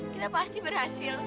kita pasti berhasil